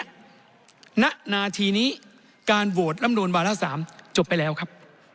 ณงานาทีนี้การโหวดรำนวลรำนวลวาระสามจบไปแล้วครับ